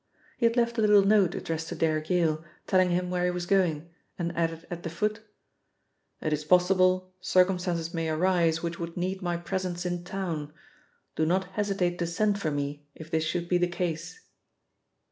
He had left a little note addressed to Derrick Yale, telling him where he was going, and added at the foot: 'It is possible circumstances may arise which would need my presence in town. Do not hesitate to send for me if this should be the case.'